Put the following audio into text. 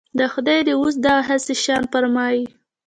د خدای دی اوس دا هسي شان فرمان.